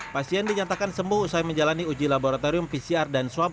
pasien dinyatakan sembuh usai menjalani uji laboratorium pcr dan swab